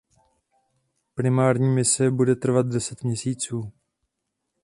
Primární mise bude trvat deset měsíců.